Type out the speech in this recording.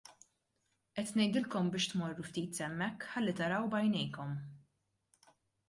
Qed ngħidilkom biex tmorru ftit s'hemmhekk ħalli taraw b'għajnejkom.